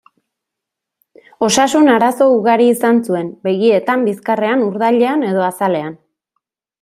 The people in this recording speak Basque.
Osasun arazo ugari izan zuen, begietan, bizkarrean, urdailean edo azalean.